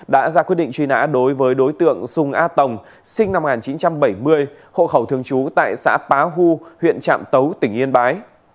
đã ra quyết định truy nã đối với đối tượng sùng a tồng sinh năm một nghìn chín trăm bảy mươi hộ khẩu thường trú tại xã bá hu huyện trạm tấu tỉnh yên bái